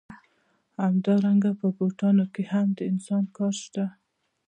همدارنګه په بوټانو کې هم د انسان کار شته